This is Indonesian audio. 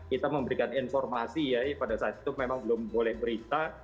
kita memberikan informasi ya pada saat itu memang belum boleh berita